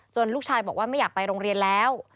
ลูกชายบอกว่าไม่อยากไปโรงเรียนแล้ว